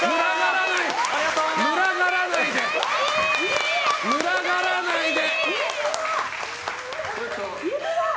群がらないで！